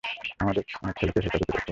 আমাদের ছেলেকে হেফাজতে রেখো!